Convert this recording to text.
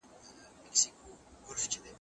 په اسلام کي د مهاجرينو ډېر قدر سوی دی.